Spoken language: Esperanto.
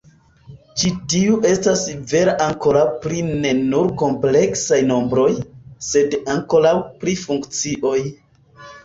Ĉi tiu estas vera ankoraŭ pri ne nur kompleksaj nombroj, sed ankaŭ pri funkcioj.